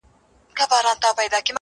له ځنګله تر تمدنه یې چرته